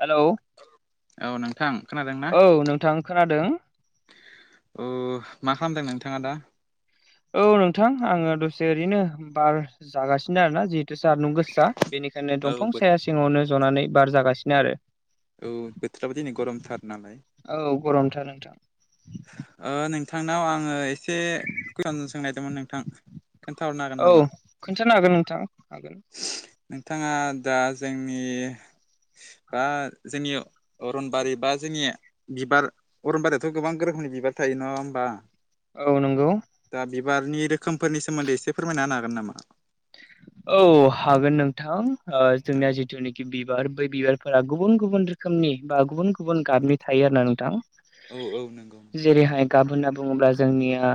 Hello? औ नोंथां खोनादोंना? औ नोंथां खोनादों। ओ मा खामदो नोंथाङा दा? औ नोंथां आङो दसे ओरैनो बार जागासिनो आरोना जिहेथु सान्दुं गोसा। बेनिखायनो दंफां औ साया सिङावनो जनानै बार जागासिनो आरो। औ बोथोराबो दिनै गरमथार नालाय। औ गरमथार नोंथां। ओ नोंथांनाव आङो एसे [unintelligible] सोंनायदोंमोन नोंथां खोन्थाहरनो हागोन औ नामा? खोन्थानो हागोन नोंथां हागोन। नोंथाङा दा जोंनि बा जोंनि अरनबारि बा जोंनि बिबार अरनबारियावथ' गोबां गोरोखोमनि बिबार थायो नङा होमबा? औ नंगौ दा बिबारनि रोखोमफोरनि सोमोन्दै एसे फोरमायना होनो हागोन नामा? औ हागोन नोंथां ओ-जोंनिया जिथुनिकि बि बार बै बिबारफोरा गुबुन गुबुन रोखोमनि बा गुबुन गुबुन गाबनि थायो आरो ना नोंथां। औ औ नोंगौ। जेरैहाय गाब होनना बुङोब्ला जोंनिया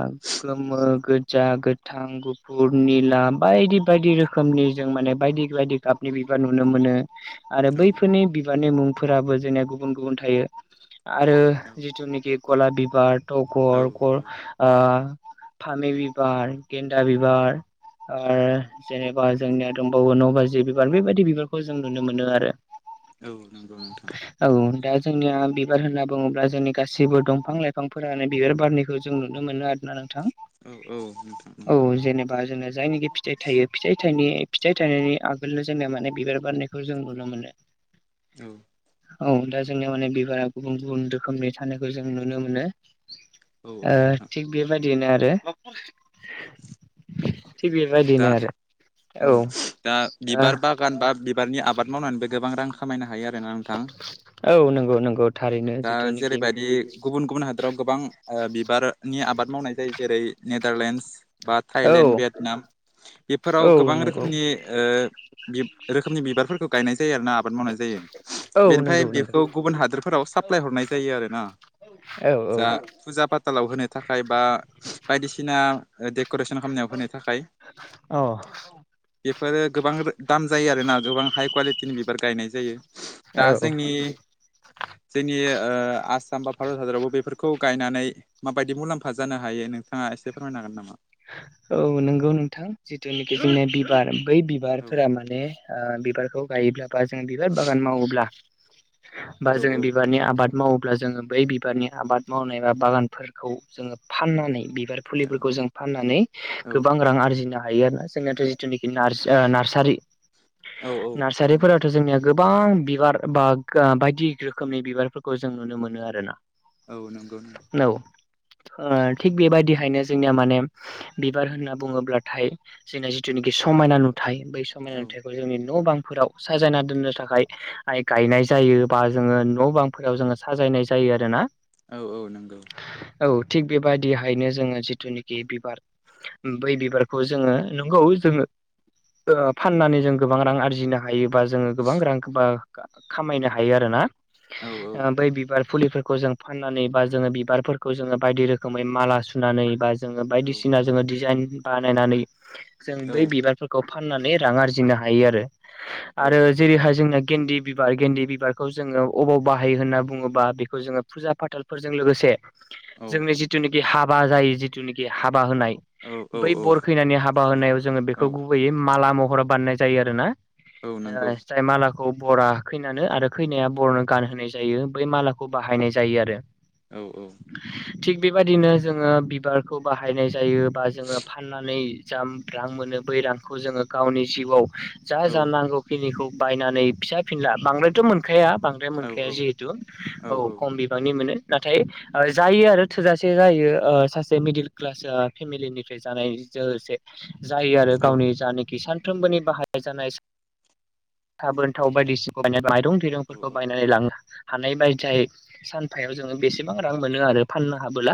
गोमो गोद ज्जा गोथां गुफुर निला बायदि बायदि रोखोमनि जों माने बायदि बायदि गाबनि बिबार नुनो मोनो। आरो औ बैफोरनि बिबारनि मुंफोराबो जोंनिया गुबुन गुबुन थायो आरो औ जिथुनिकि गलाब बिबार औ तगर गल औ ओ फामे बिबार, गेन्दा बिबार, आर जेनेबा जोंनिया दंबावो न' बाजि बिबार बेबायदि बिबारखौ जों नुनो मोनो आरो। औ नंगौ नोंथां। औ दा जोंनिया बिबार होनना बुङोब्ला जोंनि गासिबो दंफां लाइफांफोरानो बिबार बारनिखौ जों नुनो मोनो आर नोंथां औ औ नोंथां औ नंगौ जेनेबा जों जायनिखि फिथाइ थायो। फिथाइ थाइ फिथाइ थाइनि आगोलनो जोङो माने बिबार बारनायखौ जों नुनो मोनो। औ औ दा जोंनियाव माने बिबारा गुबुन गुबुन रोखोमनि थानायखौ जों नुनो मोनो। औ औ नोंथां ओ-थिग बेबायदिनो आरो थि दा बेबायदिनो आरो। औ दा ओ बिबार बागान बा बिबारनि आबाद मावनानैबो गोबां रां खामायनो हायो आरोना नोंथां? औ नंगौ नंगौ। थारैनो दा जिथुनिखि जेरैबायदि गुबुन गुबुन हादोराव गोबां ओ-बिबार नि आबाद मावनाय जायो जेरै नेडारलेण्डस बा औ थाइलेण्ड भियेटनाम बेफोराव औ गोबां नंगौ रोखोमनि ओ- बिब-रोखोमनि बिबारफोरखौ गायनाय जायो आरोना आबाद मावनाय जायो औ बेनिफ्राय नंगौ नंगौ बेखौ गुबुन हादोरफोराव सा हरनाय जायो आरोना औ औ जा फुजा फाथालाव होनो थाखाय बा बायदिसिना डेक'रेसन खालामनायाव होनो थाखाय औ बेफोरो गोबां दाम जायो आरोना गोबां हाइ कुवालिटिनि बिबार गायनाय जायो। दा औ जोंनि जोंनि ओ-आसाम बा भारत हादरावबो बेफोरखौ गायनानै माबायदि मुलाम्फा जानो हायो नोंथाङा एसे फोरमायनो हागोन नामा? औ नंगौ नोंथां जिथुनाखि जोंनिया बिबार बै औ बिबारफोरा माने ओ-बिबारखौ गायोब्ला बा जों बिबार बागान मावोब्ला बा औ जोङो बिबारनि आबाद मावो अब्ला जोङो बै बिबारनि आबाद मावनाय बा बागानफोरखौ जोङो फाननानै बिबार औ फुलिफोरखौ जों फनानै औ गोबां रां आरजिनो हायो आरोना जोंनियाथ' जिथुनाखि नार्सारि औ औ नंगौ नार्सारिफोराथ' जोंनिया गो गोबां बिबार बा बायदि रोखोमनि बिबारफोरखौ जों नुनो मोनो आरोना औ नंगौ नों औ ओ-थिग बेबायदिहायनो जोंनिया माने बिबार होनना बुङोब्लाथाय जोंना जिथुनाखि समायना नुथाय बै सम समायना औ नुथाइखौ जोंनि न' बांफोराव साजायना दोननो थाखाय आइ गायनाय जायो बा जोङो न' बांफोराव जोङो साजायनाय जायो आरो ना। औ औ नंगौ। औ थिग बेबायाददिहायनो जोङो जिथुनाखि बिबार बै बिबारखौ जोङो नंगौ जोङो। ओ-फाननानै जों गोबां रां आरजिनो हायोबा जोङो गोबां रां बा खामायनो हायो आरोना औ औ ओ बै बिबार फुलिफोरखौ जों फाननानै बा जोङो बिबारफोरखौ जोङो बायदि रोखोमै माला सुनानै बा जोङो औ बायदिसिना ओ जोङो दिजाइन बानायनानै जों औ बै बिबारफोरखौ फाननानै रां आरजिनो हायो आरो। औ आरो नंगौ जेरैहाय जोंना गेन्दि बिबार गेन्दि बिबारखौ जोङो अबाव बाहायो होन्ना बुङोबा बेखौ जोङो फुजा फाथालफोरजों लोगोसे औ जोंनि जिथुनिखि हाबा जायो जिथुनिखि हाबा होनाय औ बै बर खैनानि हाब हाबा होनायाव जों औ बेखौ गुबैयै माला महराव बानायनाय जायो आरोना औ नंगौ जाय माला खौ बरा खैनानै आरो खैनाया बरनो गानहोनाय जायो बै मालाखौ बाहायनाय जायो आरो औ औ थिग बेबायदिनो जोङो बिबारखौ बाहायनाय जायो बा जोङो फाननानै जा रां मोनो बै रांखौ जोङो गावनि जिउआव जा जा नांगौ फिनिखौ बायनानै फिसा फिनला बांद्रायथ' मोन मोनखाया बांद्राय औ मोनखाया जिहेथु औ खम बिबांनि मोनो। नाथाय जायो आरो थोजासे जायो ओ-सासे मेडकेल [unintelligible] फेमिलिनिफ्राय जानाय [unintelligible] जायो आरो गावनि जानाखि सानफ्रोमबोनि बाहाय [unintelligible] साबोनथाव बायदि [unintelligible] माइरं औ दैरंफोरखौ बायनानै लाङो। हानाय [unintelligible] सानफायाव जोङो बेसेबां रां मोनो आरो फाननो हाबोला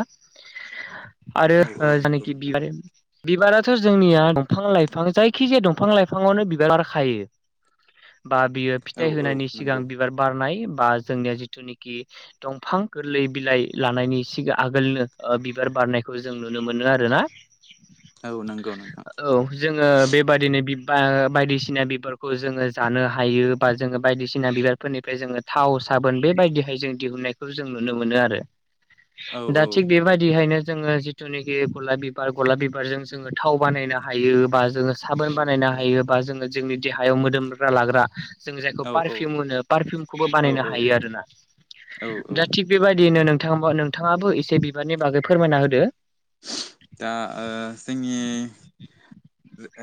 आरो औ औ ओ नंगौ जायनाखि नोंथां [unintelligible] बिबाराथ' जोंनिया दंफां लाइफां जायखिजाया दंफां लाइफाङावनो बिबार बारखायो। बा बियो औ फिथाइ औ होनायनि सिगां नंगौ बिबार बारनाय बा जोंनिया जिथुनिखि दंफां गोरलै बिलाइ लानायनि सिगां आगोलनो ओ बिबार बारनाय खौ जों नुनो मोनो आरोना औ नंगौ। नोंथां औ जोङो बेबादिनो [unintelligible] बायदिसिना बिबारखौ जोङो जानो हायो। बा जोङो बायदिसिना बिबारफोरनिफ्राय जोङो थाव साबोन बेबायदिहाय जों दिहुननायखौ जों नुनो मोनो आरो। औ दा थिग बेबायदिहायनो जोङो जिथुनाखि गलाब बिबार गलाब बिबारजों जोङो थाव बानायनो हायो बा जोङो साबोन औ बानायनो हायोबा जोङो जोंनि देहायाव मोदोमग्रा लाग्रा जों जायखौ औ पारफिउम होनो पारफिउमखौबो औ बानायनो औ हायो आरोना औ दा थि बेबायदिनो नोंथाङा नोंथाङाबो एसे बिबारनि बागै फोरमायना होदो। दा ओ जोंङि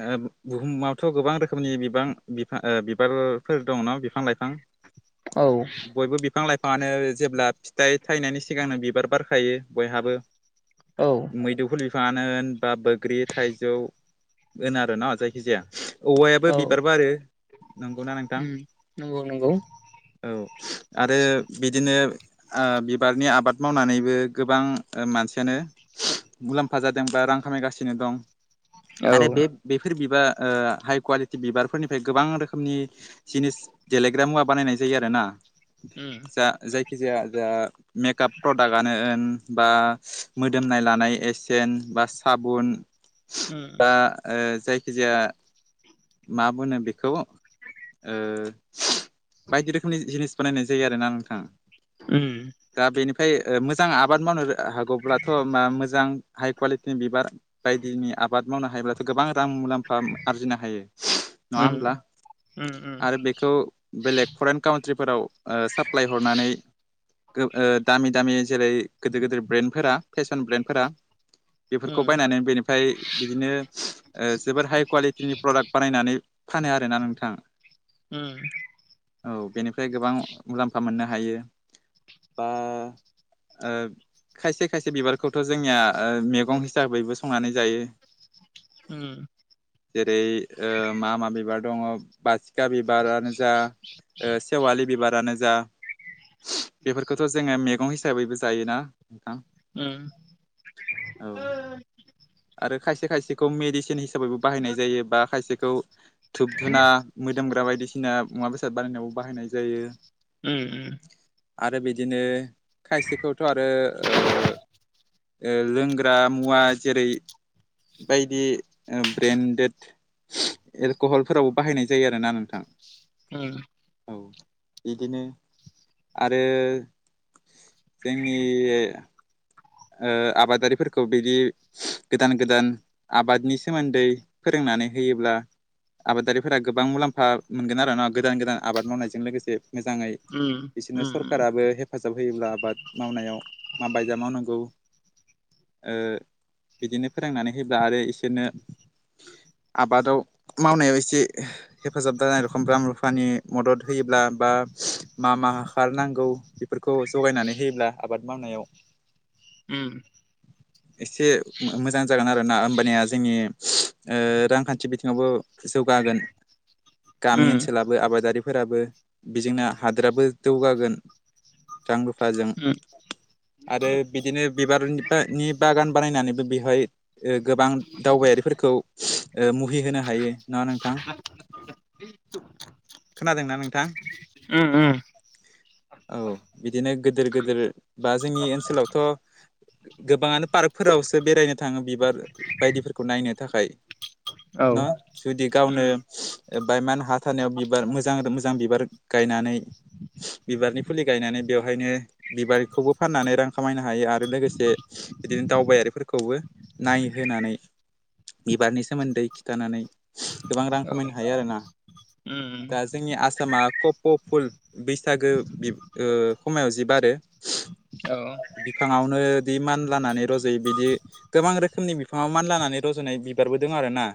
ओ बुहुमावथ' गोबां रोखोमनि बिबां बिफां बिबारफोर दङ न बिफां लाइफां। औ बयबो बिफां लाइफाङानो जेब्ला फिथाइ थायनायनि सिगांनो बिबार बारखायो बयहाबो। औ मैदुफोर बिफाङानो होन बा बग्रि थाइजौ [unintelligible] आरो न जायखिजाया औ औवायाबो बिबार बारो नंगौना नोंथां। उम नंगौ नंगौ। औ आरो बिदिनो ओ बिबारनि आबाद मावनानैबो गोबां मानसियानो मुलाम्फा जादों बा रां खामायगासिनो दं औ आरो बे बेफोर बिबार ओ हाइ कुवालिटि बिबारफोरनिफ्राय गोबां रोखोमनि जिनिस देलायग्रा मुवा बानायनाय जायो आरो ना। उम दा जायखिजाया [unintelligible] मेकाप प्रडाक्टआनो होन बा मोदोमनाय लानाय एसेन बा साबुन। उम दा ओ जायखि जाया मा बोनो बेखौ ओ बायदि रोखोमनि जिनिस बानायनाय जायो आरोना नोंथां। ओम। दा बेनिफ्राय मोजां आबाद मावनो हागौब्लाथ' मा मोजां हाइ कुवालिटिनि बिबार। बायदिनि आबाद मावनो हायोब्लाथ' गोबां रां मुलाम्फा आरजिनो हायो नङा उम होमब्ला। उम उम। आरो बेखौ बेलेग फरेन काउट्रिफोराव ओ साप्लाय हरनानै ओ दामि दामि जेरै गोदिर गोदिर ब्रेन्डफोरा फेसन ब्रेन्डफोरा बेफोरखौ उम बायनानै बेनिफ्राय बिदिनो ओ जोबोद हाइ कुवालिटिनि प्रडाक्ट बानायनानै फानो आरोना नोंथां। उम। औ बेनिफ्राय गोबां मुलाम्फा मोननो हायो। बा ओ खायसे खायसे बिबारखौथ' जोंनिया ओ मैगं हिसाबै बयबो संनानै जायो। उम। जेरै ओ मा मा बिबार दङ बासिखा बिबारानो जा ओ सेवालि बिबारानो जा। बेफोरखौथ' जोङो मैगं हिसाबैबो जायोना नोंथां? उम। औ आरो खायसे खायसेखौ मेडिसिन हिसाबैबो बाहायनाय जायो बा खायसेखौ धुप धुना मोदोमग्रा बायदिसिना मुवा बेसाद बानायनायावबो बाहायनाय जायो उम उम। आरो बिदिनो खायसेखौथ' आरो ओ ओ लोंग्रा मुवा जेरै बायदि ओ ब्रेन्डेड एलक'हलफोरावबो बाहायनाय जायो आरोना नोंथां। उम। औ बिदिनो आरो जोंनि ओ आबादारिफोरखौ बिदि गोदान गोदान आबादनि सोमोन्दै फोरोंनानै होयोब्ला आबादारिफोरा गोबां मुलाम्फा मोनगोन आरोना गोदान गोदान आबाद मावनायजों लोगोसे मोजाङै। उम बिसोरनो उम सरकाराबो हेफाजाब होयोब्ला आबाद मावनायाव माबायजा मावनांगौ ओ बिदिनो फोरोंनानै होब्ला आरो इसोरनो आबादाव मावनायाव एसे हेफाजाब जानाय रखम रां रुफानि मदद होयोब्ला बा मा मा हाखार नांगौ बेफोरखौ जगायनानै होयोब्ला आबाद मावनायाव उम। [inaudible] एसे मोजां जागोन आरो ना होमबानिया जोंनि ओ रांखान्थि बिथिङावबो जौगागोन। गामि उम ओनसोलाबो आबादारिफोराबो बेजोंनो हादोराबो जौगागोन। रां रुफाजों उम आरो बिदिनो बिबारनि बानि बागान बानायनानैबो बेहाय ओ गोबां दावबायारिफोरखौ ओ मुहि होनो हायो ना नोंथां? खोनादोंना नोंथां? उम उम औ बिदिनो गोदिर गोदिर बा जोंनि ओनसोलावथ' गोबाङानो पार्कफोरावसो बेरायनो थाङो बिबार बायदिफोरखौ नायनो थाखाय औ। न' जुदि उम गावनो बायमान हा थानायाव बिबार मोजां मोजां बिबार गायनानै बिबारनि फुलि गायनानै बेवहायनो बिबारखौबो फाननानै रां खामायनो हायो आरो लोगोसे बिदिनो दावबायारिफोरखौबो नायहोनानै बिबारनि सोमोन्दै खिथानानै गोबां रां औ खामायनो हायो आरोना। उम दा जोंनि आसामा कप' फुल बैसागो बि ओ खमयाव जि बारो औ बिफाङावनो दि मानलानानै रज' बिदि गोबां रोखोमनि बिफाङाव मानलानानै रज'नाय बिबारबो दं आर ना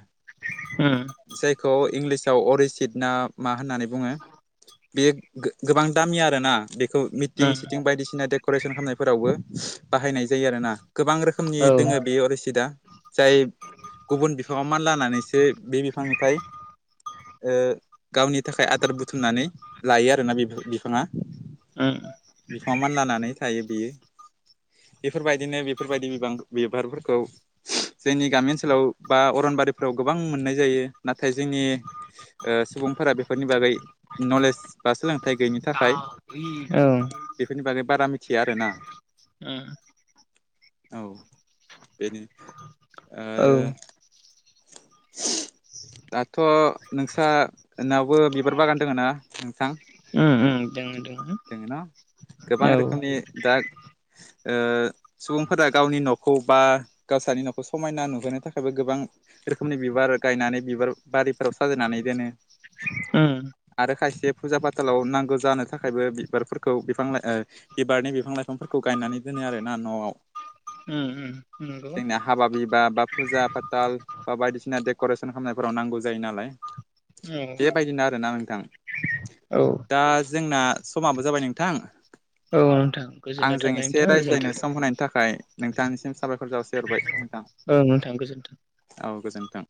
उम जायखौ इंलिसाव अरिसिद ना मा होननानै बुङो बेयो गो गोबां दामि आरोना बेखौ मिटिं उम सिटिं बायदिसिना डेक'रेसन खालामनायफोरावबो बाहायनाय जायो आरोना गोबां रोखोमनि औ उम औ दोङो बे अरिसिदआ जाय गुबुन बिफाङाव मानलानानैसो बे बिफांनिफ्राय ओ गावनि थाखाय आदार बुथुमनानै लायो आरोना बि-बिफाङा बिफाङाव मानलानानै थायो बियो बेफोरबायदिनो बेफोरबायदि बिबां बिबारफोरखौ जोंनि गामि ओनसोलाव बा अरनबारिफोराव गोबां मोननाय जायो नाथाय जोंनि ओ सुबुंफोरा बेफोरनि बागै नलेज बा सोलोंथाइ गैयैनि थाखाय उम बेफोरनि बागै बारा मिथिया आरो ना। ओम औ बेनो ओ औ [unintelligible] दाथ' नोंस्रा नावबो बिबार बागान दोङ ना नोंसां ओम ओम जोंङो ना गोबां औ रोखोमनि दा सुबुंफोरा गावनि न'खौ बा गावसानि न'खौ समायना नुहोनो थाखायबो गोबां रोखोमनि बिबार गायनानै बिबार बारिफोराव साजायनानै दोनो आ आरो खायसे फुजा फाथालाव नांगौ जानो थाखायबो बिबारफोरखौ बिफां लाइ बिबारनि बिफां लाइफांफोरखौ गायनानै दोनो आरोना न'आव [unintelligible] उम उम जोंना हाबा बिबा बा फुजा फाथाल बा बायदिसिना डेक'रेसन खालामनायफोराव नांगौ जायो नालाय औ बेबायदिनो आरोना नोंथां औ दा जोंना समाबो जाबाय नोंथां औ नोंथां गोजोननाय आंजों थाबाय एसे नोंथां रायज्लायनो गोजोन्थों सम होनायनि थाखाय नोंथांनिसिम साबायखर जसे हरबाय नोंथां औ नोंथां गोजोन्थों औ गोजोन्थों